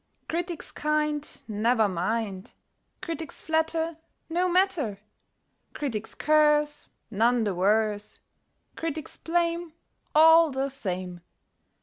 Critics kind, Never mind! Critics flatter, No matter! Critics curse, None the worse. Critics blame, All the same!